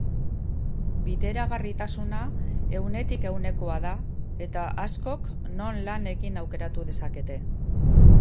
Bideragarritasuna ehunetik ehunekoa da eta askok, non lan egin aukeratu dezakete.